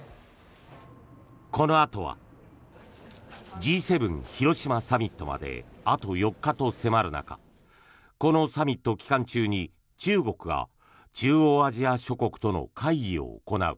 このあとはＧ７広島サミットまであと４日と迫る中このサミット期間中に中国が中央アジア諸国との会議を行う。